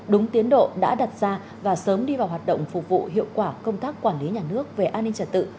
đúng tiến độ đã đặt ra và sớm đi vào hoạt động phục vụ hiệu quả công tác quản lý nhà nước về an ninh trật tự